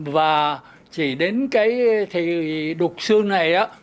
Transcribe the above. và chỉ đến cái thì đục xương này á